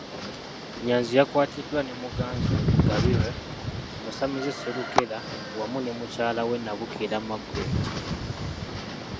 Nnyanzi yakwatiddwa ne muganzi we Tugabiirwe, omusamize Sserukeera wamu ne mukyala we Nabukeera Margaret.